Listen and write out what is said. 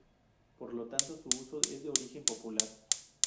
Por lo tanto, su uso es de origen popular.